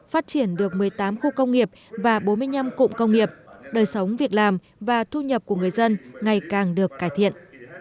phát triển được một mươi tám khu công nghiệp và bốn mươi năm cụm công nghiệp đời sống việc làm và thu nhập của người dân ngày càng được cải thiện